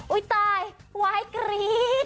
โอ้ยตายวายกรี๊ด